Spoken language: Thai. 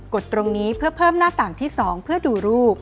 ดตรงนี้เพื่อเพิ่มหน้าต่างที่๒เพื่อดูรูป